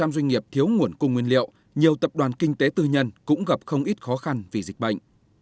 một mươi doanh nghiệp thiếu nguồn cung nguyên liệu nhiều tập đoàn kinh tế tư nhân cũng gặp không ít khó khăn vì dịch bệnh